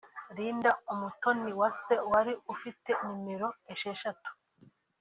Linda Umutoniwase wari ufite nimero esheshatu